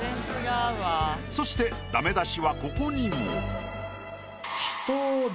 そしてダメ出しはここにも。